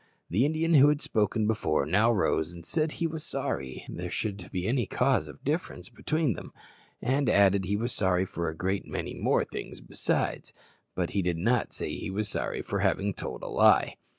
The Indian who had spoken before now rose and said he was sorry there should be any cause of difference between them, and added he was sorry for a great many more things besides, but he did not say he was sorry for having told a lie.